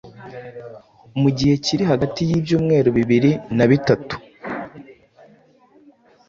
mu gihe kiri hagati y’ibyumweru bibili na bitatu.